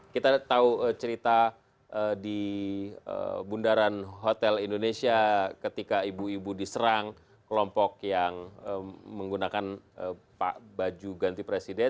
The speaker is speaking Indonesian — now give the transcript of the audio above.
kita tahu cerita di bundaran hotel indonesia ketika ibu ibu diserang kelompok yang menggunakan baju ganti presiden